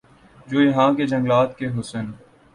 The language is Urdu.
جو یہاں کے جنگلات کےحسن